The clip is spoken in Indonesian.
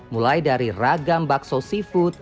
mulai dari ragam bakso seafood